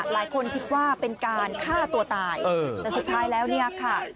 หลายคนคิดว่าเป็นการฆ่าตัวตายแต่สุดท้ายแล้วเนี่ยค่ะ